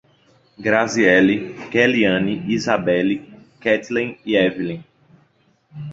Grazieli, Keliane, Izabele, Ketlen e Evilin